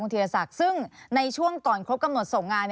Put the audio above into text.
ธีรศักดิ์ซึ่งในช่วงก่อนครบกำหนดส่งงาน